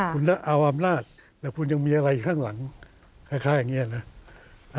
คุณเอาอำนาจแต่คุณยังมีอะไรอยู่ข้างหลังคล้ายอย่างนี้นะ